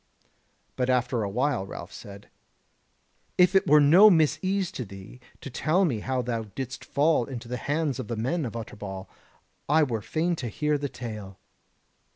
But after a while Ralph said: "If it were no misease to thee to tell me how thou didst fall into the hands of the men of Utterbol, I were fain to hear the tale."